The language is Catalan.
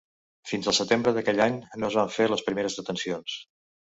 Fins al setembre d’aquell any no es van fer les primeres detencions.